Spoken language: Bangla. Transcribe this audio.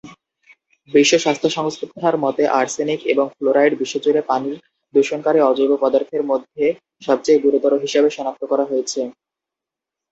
বিশ্ব স্বাস্থ্য সংস্থার মতে আর্সেনিক এবং ফ্লোরাইড বিশ্বজুড়ে পানির দূষণকারী অজৈব পদার্থের মধ্যে সবচেয়ে গুরুতর হিসাবে সনাক্ত করা হয়েছে।